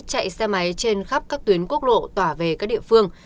chạy xe máy trên khắp các tuyến quốc lộ tỏa về các địa phương